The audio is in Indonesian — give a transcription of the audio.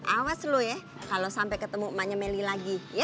awas lo ya kalau sampai ketemu emaknya meli lagi ya